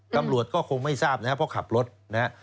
ตำรวจก็คงไม่ทราบนะครับเพราะขับรถนะฮะ